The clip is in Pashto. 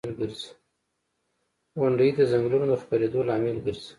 • غونډۍ د ځنګلونو د خپرېدو لامل ګرځي.